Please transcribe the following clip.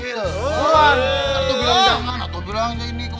ternyata bilang jangan atau bilang ini